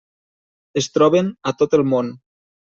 Es troben a tot el món.